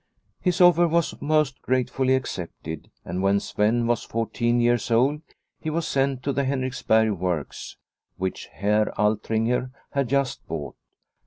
His offer was most gratefully accepted, and when Sven was four teen years old he was sent to the Henriksberg works, which Herr Altringer had just bought.